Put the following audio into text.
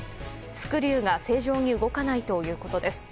スクリューが正常に動かないということです。